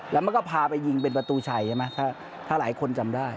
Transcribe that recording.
แล้วมันก็พาไปยิงเป็นประตูชัยใช่ไหมถ้าหลายคนจำได้